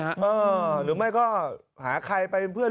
หรือไม่ก็หาใครไปเป็นเพื่อน